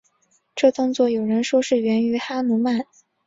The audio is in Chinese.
这动作有人说是源于哈奴曼。